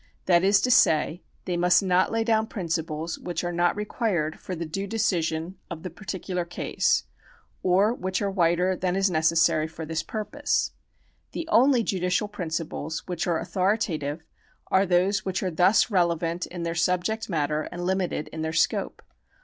That is to say, they must not lay down principles which are not required for the due decision of the particular case, or which are wider than is necessary for this purpose. The only judicial principles which are authoritative are those which are thus relevant in their subject matter and limited in their scope.